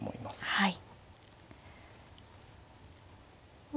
はい。